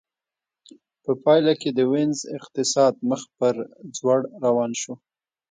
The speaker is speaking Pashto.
په پایله کې د وینز اقتصاد مخ په ځوړ روان شو